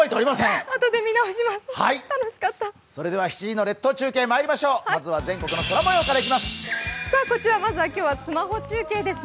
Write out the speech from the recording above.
７時の列島中継まいりましょうまずは全国の空模様からいきます。